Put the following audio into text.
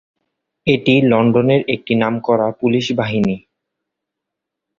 এটি লন্ডনের একটি নামকরা পুলিশ বাহিনী।